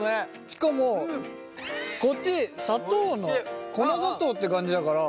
しかもこっち砂糖の粉砂糖って感じだから。